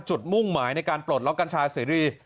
จุดมุ่งหมายในการปลดแล้วกัญชาสีดี